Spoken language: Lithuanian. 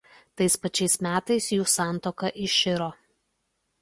Tais pačiais metais jų santuoka iširo.